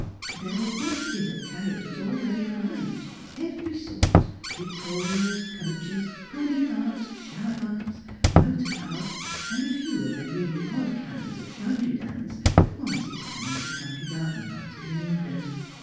There were quantities of carriages already arrived, every sort victorias, coaches, pony carts, charabancs, motor cars, and a few of the really odd kinds of shandrydans that one sees coming to country garden parties in England.